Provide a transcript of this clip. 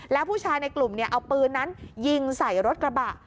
แล้วผู้ชายในกลุ่มเอาปืนนั้นยิงใส่รถกระบะ